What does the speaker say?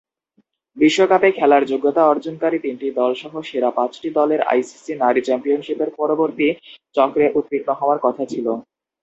বিশ্বকাপে খেলার যোগ্যতা অর্জনকারী তিনটি দলসহ সেরা পাঁচটি দলের আইসিসি নারী চ্যাম্পিয়নশিপের পরবর্তী চক্রে উত্তীর্ণ হওয়ার কথা ছিল।